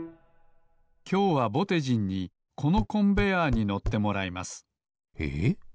きょうはぼてじんにこのコンベアーに乗ってもらいますええっ？